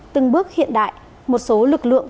từng bước hiện đại một số lực lượng